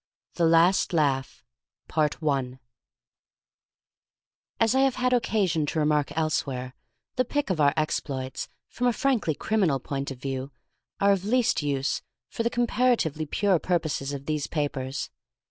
THE LAST LAUGH As I have had occasion to remark elsewhere, the pick of our exploits, from a frankly criminal point of view, are of least use for the comparatively pure purposes of these papers.